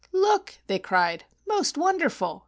Look!" they cried. "Most wonderful!